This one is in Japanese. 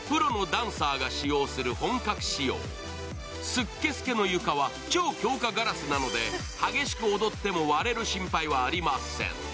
スッケスケの床は超強化ガラスなので激しく踊っても、割れる心配はありません。